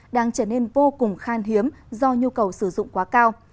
đang trở nên vô cùng khan hiếm do nhu cầu sử dụng quá cao